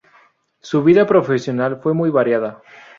Su vida profesional fue muy variada.